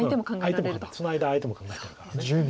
その間相手も考えてるから。